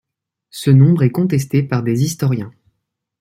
Ce nombre est contesté par des historiens.